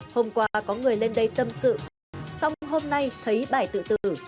hôm qua có người lên đây tâm sự xong hôm nay thấy bài tự tử